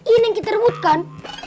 ini yang kita rebutkan